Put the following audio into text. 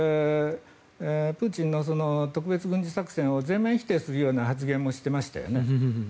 プーチンの特別軍事作戦を全面否定するような発言もしていましたよね。